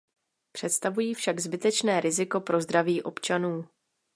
Představují však zbytečné riziko pro zdraví občanů.